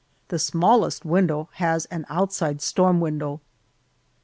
The smallest window has an outside storm window.